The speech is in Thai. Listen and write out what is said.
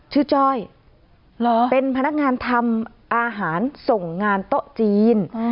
จ้อยเป็นพนักงานทำอาหารส่งงานโต๊ะจีน